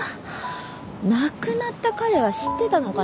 亡くなった彼は知ってたのかな？